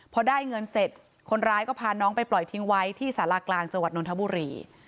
พอได้เงินเสร็จคนร้ายก็พาน้องไปปล่อยทิ้งไว้ที่สารากลางจังหวัดนทบุรี